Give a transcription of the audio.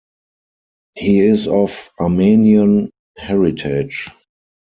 He is of Armenian heritage.